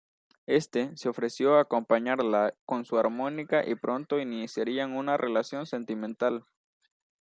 Éste se ofreció a acompañarla con su armónica y pronto iniciarían una relación sentimental.